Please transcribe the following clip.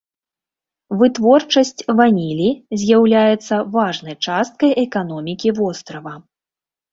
Вытворчасць ванілі з'яўляецца важнай часткай эканомікі вострава.